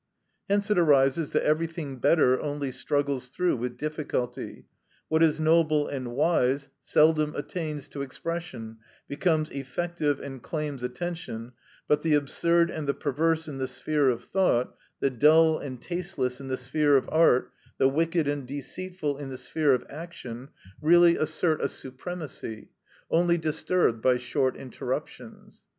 Hence it arises that everything better only struggles through with difficulty; what is noble and wise seldom attains to expression, becomes effective and claims attention, but the absurd and the perverse in the sphere of thought, the dull and tasteless in the sphere of art, the wicked and deceitful in the sphere of action, really assert a supremacy, only disturbed by short interruptions.